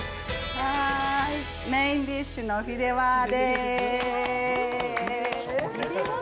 メインディッシュのフィデワです。